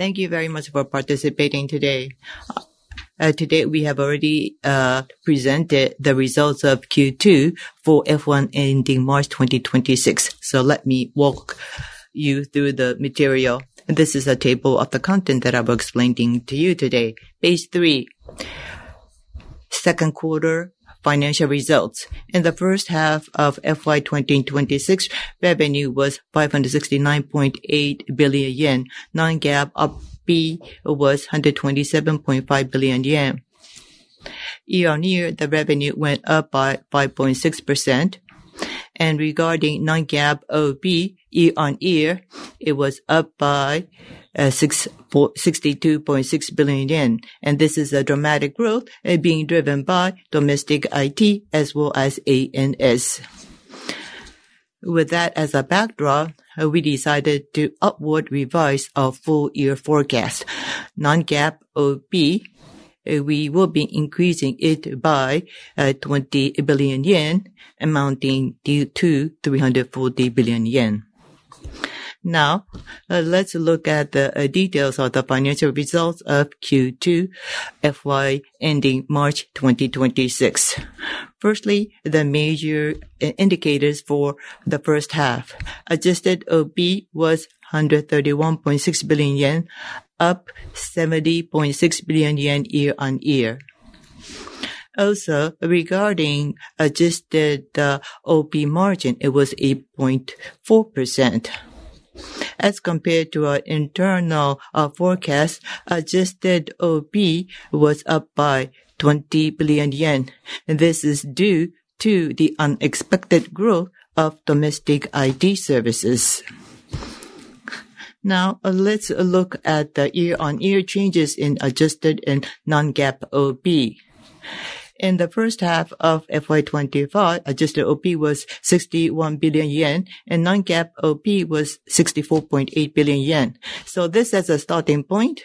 Thank you very much for participating today. Today we have already presented the results of Q2 for FY ending March 2026. Let me walk you through the material. This is a table of the content that I'll be explaining to you today. Page three, second quarter financial results. In the first half of FY 2026, revenue was 569.8 billion yen. Non-GAAP OP was 127.5 billion yen. Year-on-year, the revenue went up by 5.6%. Regarding non-GAAP OP, year-on-year, it was up by 62.6 billion yen. This is a dramatic growth being driven by domestic IT as well as aerospace and defense. With that as a backdrop, we decided to upward revise our full-year forecast. Non-GAAP OP, we will be increasing it by 20 billion yen, amounting to 340 billion yen. Now, let's look at the details of the financial results of Q2 FY ending March 2026. Firstly, the major indicators for the first half. Adjusted OP was 131.6 billion yen, up 70.6 billion yen year-on-year. Also, regarding adjusted OP margin, it was 8.4%. As compared to our internal forecast, adjusted OP was up by 20 billion yen. This is due to the unexpected growth of domestic IT services. Now, let's look at the year-on-year changes in adjusted and non-GAAP OP. In the first half of FY 2025, adjusted OP was 61 billion yen, and non-GAAP OP was 64.8 billion yen. This is a starting point.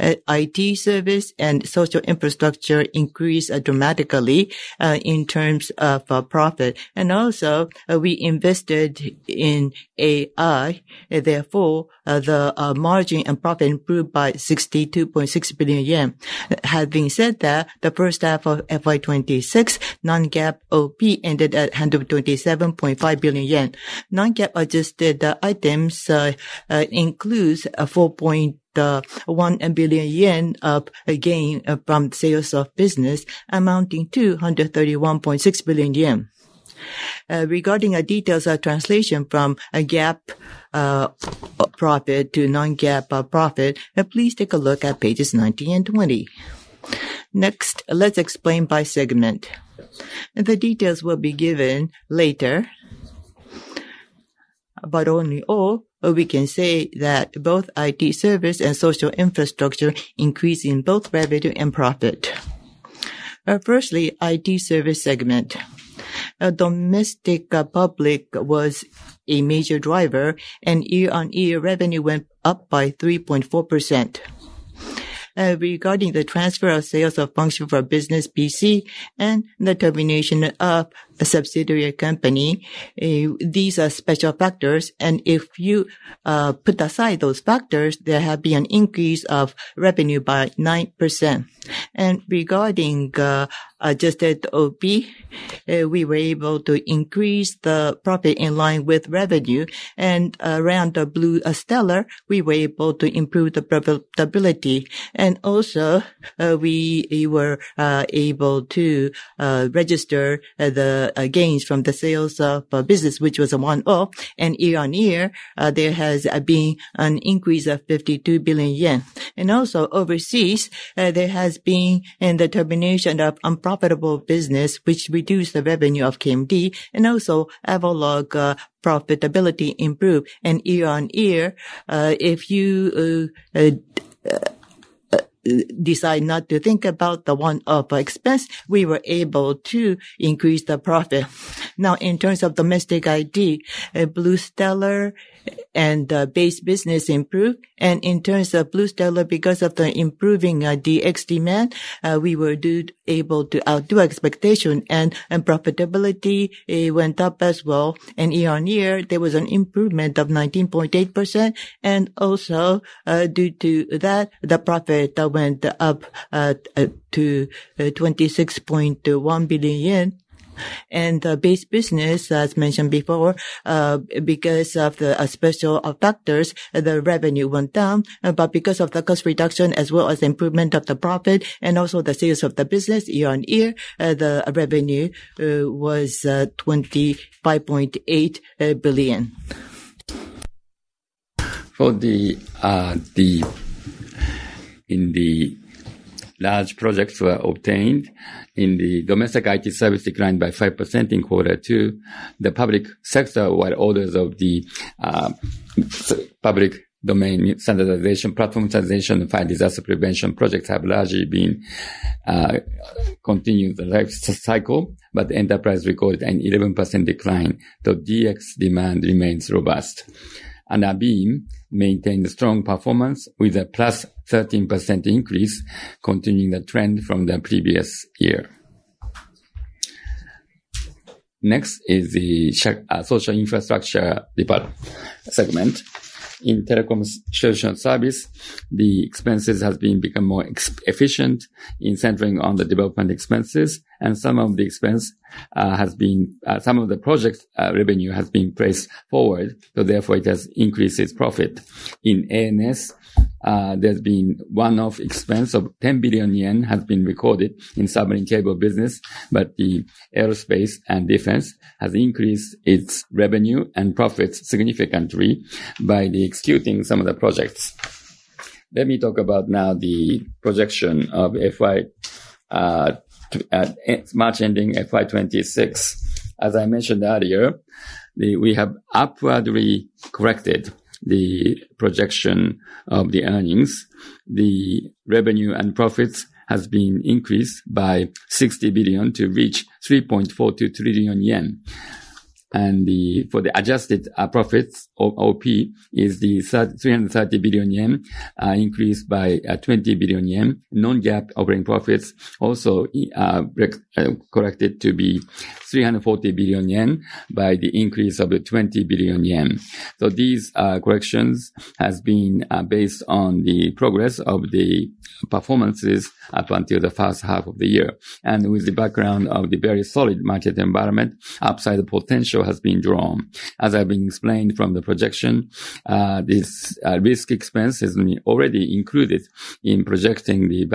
IT services and social infrastructure increased dramatically in terms of profit. We invested in AI, therefore, the margin and profit improved by 62.6 billion yen. Having said that, the first half of FY 2026, non-GAAP OP ended at 127.5 billion yen. Non-GAAP adjusted items include 4.1 billion yen of gain from sales of business, amounting to 131.6 billion yen. Regarding details of translation from GAAP profit to non-GAAP profit, please take a look at pages 19 and 20. Next, let's explain by segment. The details will be given later. All in all, we can say that both IT services and social infrastructure increased in both revenue and profit. Firstly, IT services segment. Domestic public was a major driver, and year-on-year revenue went up by 3.4%. Regarding the transfer of sales of function for business PC and the termination of a subsidiary company, these are special factors, and if you put aside those factors, there has been an increase of revenue by 9%. Regarding adjusted OP, we were able to increase the profit in line with revenue, and around the BluStellar, we were able to improve the profitability. We were able to register the gains from the sales of business, which was a one-off, and year-on-year there has been an increase of 52 billion yen. Also, overseas, there has been the termination of unprofitable business, which reduced the revenue of KMD, and Avaloq profitability improved. Year-on-year, if you decide not to think about the one-off expense, we were able to increase the profit. In terms of domestic IT, BluStellar and base business improved. In terms of BluStellar, because of the improving DX demand, we were able to outdo expectations, and profitability went up as well. Year-on-year, there was an improvement of 19.8%. Due to that, the profit went up to 26.1 billion yen. The base business, as mentioned before, because of the special factors, the revenue went down. Because of the cost reduction, as well as the improvement of the profit, and also the sales of the business, year-on-year, the revenue was 25.8 billion. For the large projects were obtained, in the domestic IT services declined by 5% in quarter two. The public sector, while all those of the public domain standardization, platform standardization, and fire disaster prevention projects have largely been continued the life cycle, but enterprise recorded an 11% decline. The DX demand remains robust. ABeam maintained a strong performance with a +13% increase, continuing the trend from the previous year. Next is the social infrastructure development segment. In telecom services, the expenses have been becoming more efficient in centering on the development expenses, and some of the expense has been, some of the project revenue has been pressed forward, therefore it has increased its profit. In ANS, there's been one-off expense of 10 billion yen has been recorded in submarine cable business, but the aerospace and defense has increased its revenue and profits significantly by executing some of the projects. Let me talk about now the projection of March ending FY 2026. As I mentioned earlier, we have upwardly corrected the projection of the earnings. The revenue and profits have been increased by 60 billion to reach 3.423 trillion yen. For the adjusted profits, OP is the 330 billion yen increased by 20 billion yen. Non-GAAP operating profits also corrected to be 340 billion yen by the increase of 20 billion yen. These corrections have been based on the progress of the performances up until the first half of the year. With the background of the very solid market environment, upside potential has been drawn. As I've been explained from the projection, this risk expense has been already included in projecting the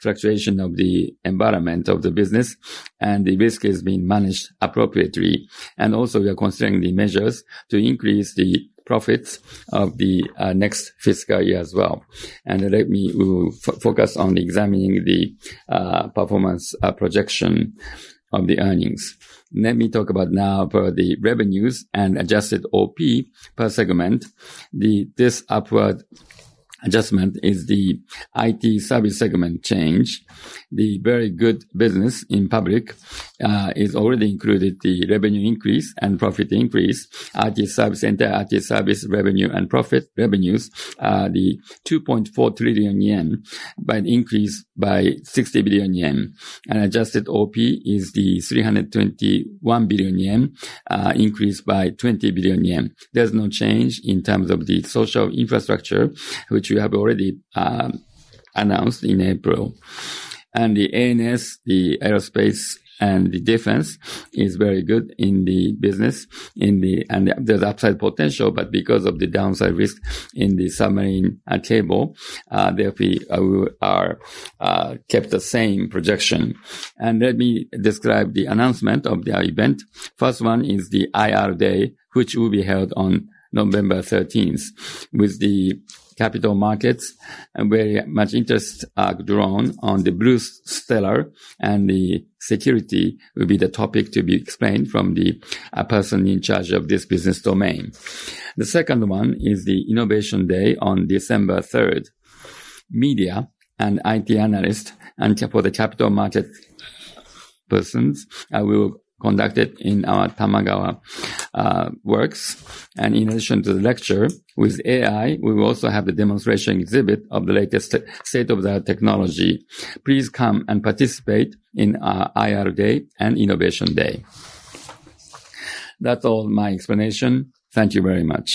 fluctuation of the environment of the business, and the risk has been managed appropriately. We are considering the measures to increase the profits of the next fiscal year as well. Let me focus on examining the performance projection of the earnings. Let me talk about now the revenues and adjusted OP per segment. This upward adjustment is the IT services segment change. The very good business in public has already included the revenue increase and profit increase. IT services and IT services revenue and profit revenues are the 2.4 trillion yen, but increased by 60 billion yen. Adjusted OP is the 321 billion yen, increased by 20 billion yen. There's no change in terms of the social infrastructure, which we have already announced in April. The ANS, the aerospace and defense, is very good in the business. There's upside potential, but because of the downside risk in the submarine cable business, we have kept the same projection. Let me describe the announcement of the event. The first one is the IR Day, which will be held on November 13th. With the capital markets, very much interest is drawn on BluStellar, and security will be the topic to be explained from the person in charge of this business domain. The second one is the Innovation Day on December 3rd. Media and IT analysts and the capital market persons will conduct it in our Tamagawa Works. In addition to the lecture with AI, we will also have the demonstration exhibit of the latest state-of-the-art technology. Please come and participate in our IR Day and Innovation Day. That's all my explanation. Thank you very much.